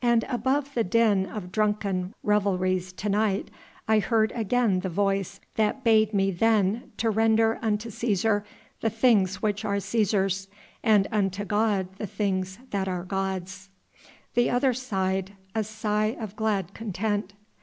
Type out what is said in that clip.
And above the din of drunken revelries to night I heard again the voice that bade me then to render unto Cæsar the things which are Cæsar's, and unto God the things that are God's." The other sighed, a sigh of glad content.